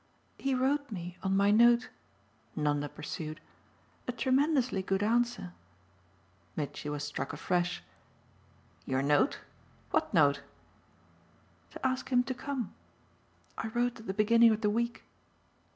"He wrote me, on my note," Nanda pursued, "a tremendously good answer." Mitchy was struck afresh. "Your note? What note?" "To ask him to come. I wrote at the beginning of the week."